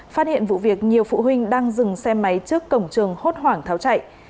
phát hiện vụ việc nhiều phụ huynh đang dừng xe máy trước cổng trường hốt hoảng tháo chạy